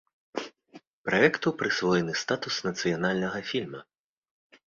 Праекту прысвоены статус нацыянальнага фільма.